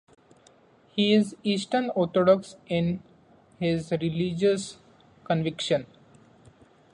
He is Eastern Orthodox in his religious conviction.